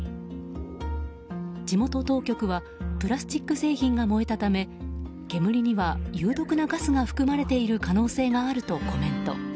地元当局はプラスチック製品が燃えたため煙には有毒なガスが含まれている可能性があるとコメント。